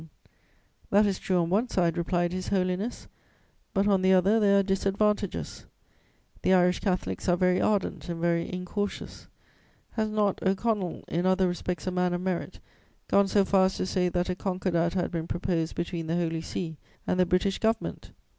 on Ireland.] "'That is true on one side,' replied His Holiness, 'but on the other there are disadvantages. The Irish Catholics are very ardent and very incautious. Has not O'Connell, in other respects a man of merit, gone so far as to say that a concordat had been proposed between the Holy See and the British Government?